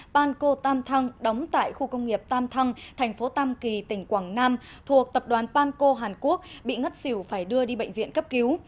panco tam thăng đóng tại khu công nghiệp tam thăng thành phố tam kỳ tỉnh quảng nam thuộc tập đoàn panco hàn quốc bị ngất xỉu phải đưa đi bệnh viện cấp cứu